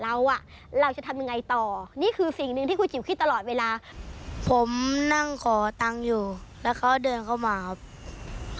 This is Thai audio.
มีความสุขมีความสุขมีความสุขมีความสุขมีความสุขมีความสุขมีความสุข